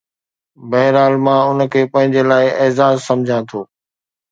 بهرحال، مان ان کي پنهنجي لاءِ اعزاز سمجهان ٿو